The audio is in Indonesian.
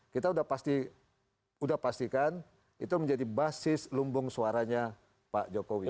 kita sudah pastikan itu menjadi basis lumbung suaranya pak jokowi